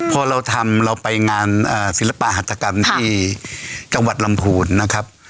พอเราทำเราไปงานศิลปะหัตกรรมที่จังหวัดลำพูนนะครับ